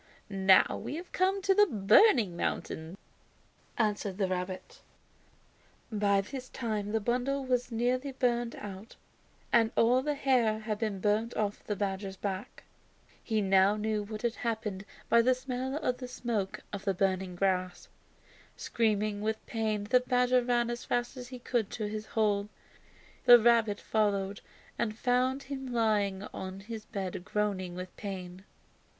"Now we have come to the 'Burning Mountain,'" answered the rabbit. By this time the bundle was nearly burned out and all the hair had been burned off the badger's back. He now knew what had happened by the smell of the smoke of the burning grass. Screaming with pain the badger ran as fast as he could to his hole. The rabbit followed and found him lying on his bed groaning with pain.